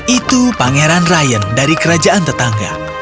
itu pangeran ryan dari kerajaan tetangga